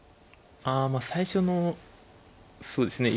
あまあ最初のそうですね